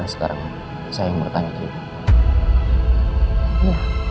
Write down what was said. sekarang saya ingin bertanya ke ibu